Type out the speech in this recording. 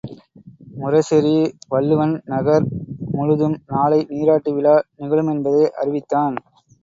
முரசெறி வள்ளுவன் நகர் முழுதும் நாளை நீராட்டு விழா நிகழுமென்பதை அறிவித்தான்.